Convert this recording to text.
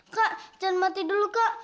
kak jangan mati dulu kak